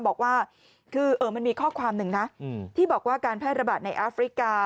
บอกว่าคือมันมีข้อความหนึ่งนะที่บอกว่าการแพร่ระบาดในอาฟริกา